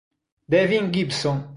Devin Gibson